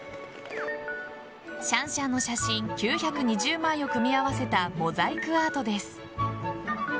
シャンシャンの写真９２０枚を組み合わせたモザイクアートです。